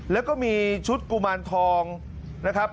แล้วก็มีชุดกุมารทองนะครับ